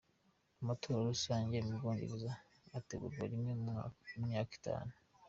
Amatora rusange mu Bwongereza ategurwa rimwe mu myaka itanu.